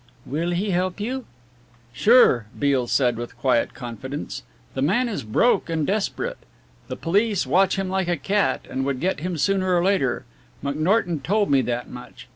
"Will he help you?" "Sure," Beale said with quiet confidence, "the man is broke and desperate. The police watch him like a cat, and would get him sooner or later. McNorton told me that much.